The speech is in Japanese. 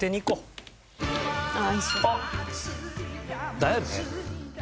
だよね。